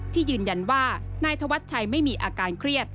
ยืนยันว่านายธวัชชัยไม่มีอาการเครียด